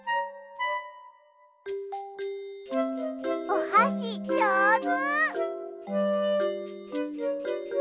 おはしじょうず！